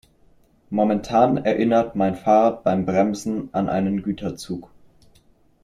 Momentan erinnert mein Fahrrad beim Bremsen an einen Güterzug.